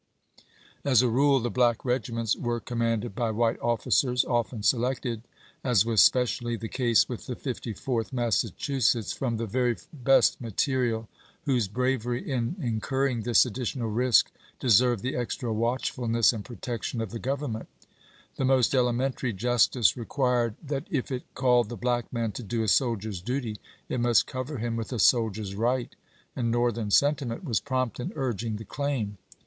As a rule, the black regiments were commanded by white officers, often selected, as was specially the case with the Fifty fourth Massachusetts, from the very best material, whose bravery in incurring this additional risk de served the extra watchfulness and protection of the Grovernment. The most elementary justice required 474 ABRAHAM LINCOLN Chap. XXI. 1863. Frederick Douglass, Reminis cences, Xew York "Tribune," July 5, 1885. that if it called the black man to do a soldier's duty it must cover him with a soldier's right, and Northern sentiment was prompt in urging the claim.